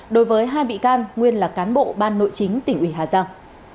đối với hai bị can nguyên là cán bộ ban nội chính tỉnh ủy hà giang